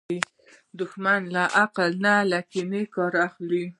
دښمن له عقل نه، له کینې نه کار اخلي